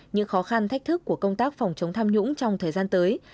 những khó khăn thách thức của công tác phòng chống tham nhũng trong thời gian tới